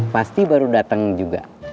pasti baru datang juga